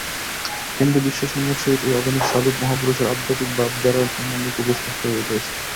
হিন্দু বিশ্বাসসমূহের সহিত এই আধুনিক সাধু মহাপুরুষের আধ্যাত্মিক ভাবধারার সম্বন্ধ খুবই স্পষ্ট হইয়া উঠিয়াছিল।